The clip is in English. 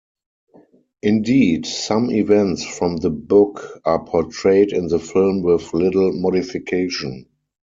Indeed, some events from the book are portrayed in the film with little modification.